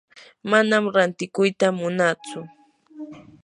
manam rantikuyta munatsu.